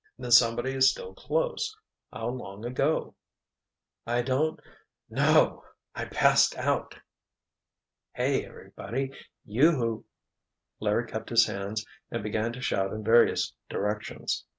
— "Then somebody is still close. How long ago?——" "I don't—know—I passed out——" "Hey—everybody—yoo hoo!" Larry cupped his hands and began to shout in various directions.